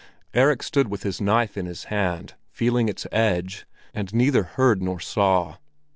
Erik stood with his knife in his hand, feeling its edge, and neither heard nor saw.